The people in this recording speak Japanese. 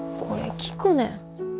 これ聴くねん。